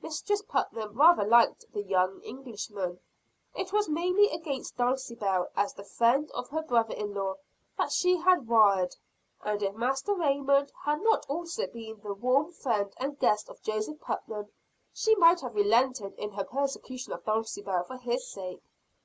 Mistress Putnam rather liked the young Englishman; it was mainly against Dulcibel as the friend of her brother in law that she had warred; and if Master Raymond had not also been the warm friend and guest of Joseph Putnam, she might have relented in her persecution of Dulcibel for his sake.